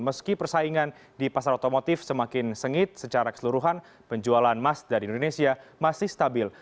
meski persaingan di pasar otomotif semakin sengit secara keseluruhan penjualan mazda di indonesia masih stabil